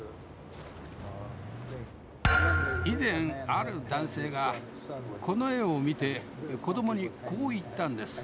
以前ある男性がこの絵を見て子供にこう言ったんです。